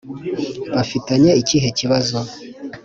bafitanye ikihe kibazo?